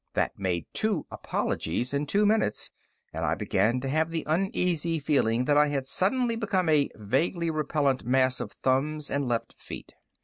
That made two apologies in two minutes, and I began to have the uneasy feeling that I had suddenly become a vaguely repellant mass of thumbs and left feet.